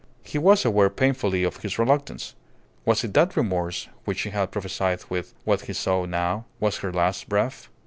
He was aware painfully of his reluctance. Was it that remorse which she had prophesied with, what he saw now, was her last breath?